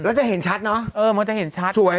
แล้วจะเห็นชัดเนอะสวยนะเออมันก็จะเห็นชัด